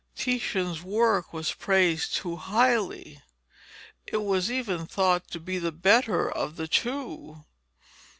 Titian's work was praised too highly; it was even thought to be the better of the two.